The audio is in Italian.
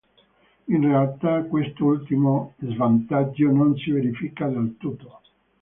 In realtà quest'ultimo svantaggio non si verifica del tutto.